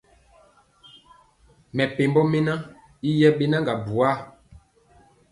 Mɛpembɔ mɛnan yi yɛbɛnaga buar.